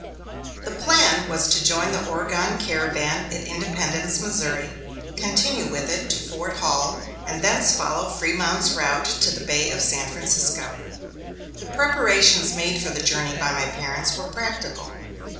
The plan was to join the Oregon caravan at Independence, Missouri, continue with it to Fort Hall, and thence follow Frémont's route to the Bay of San Francisco. The preparations made for the journey by my parents were practical.